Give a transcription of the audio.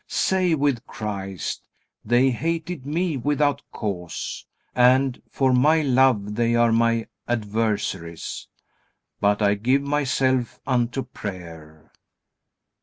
Say with Christ: "They hated me without cause." And, "For my love they are my adversaries; but I give myself unto prayer."